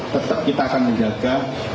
tetap kita akan menjaga